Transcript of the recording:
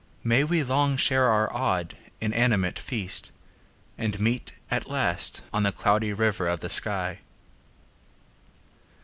May we long share our odd, inanimate feast, And meet at last on the Cloudy River of the sky.